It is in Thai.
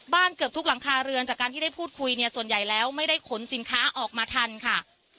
เกือบทุกหลังคาเรือนจากการที่ได้พูดคุยเนี่ยส่วนใหญ่แล้วไม่ได้ขนสินค้าออกมาทันค่ะ